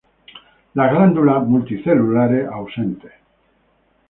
Las glándulas multicelulares ausentes.